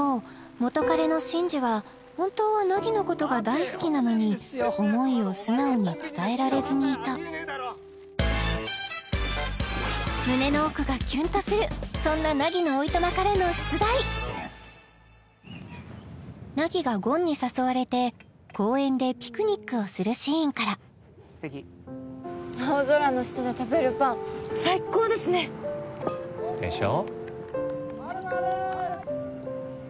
元カレの慎二は本当は凪のことが大好きなのに思いを素直に伝えられずにいた胸の奥がキュンとするそんな凪がゴンに誘われて公園でピクニックをするシーンから青空の下で食べるパン最高ですねでしょ？